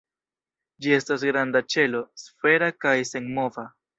Ĝi estas granda ĉelo, sfera kaj senmova.